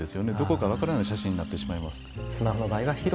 どこか分からない写真になってしまいます。